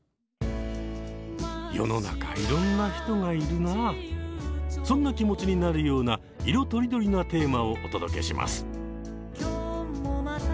世の中そんな気持ちになるような色とりどりなテーマをお届けします。